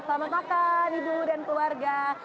selamat makan ibu dan keluarga